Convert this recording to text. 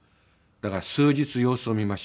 「だから数日様子を見ましょう」と。